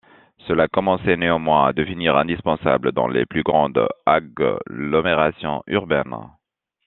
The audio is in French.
Cela commençait néanmoins à devenir indispensable, dans les plus grandes agglomérations urbaines.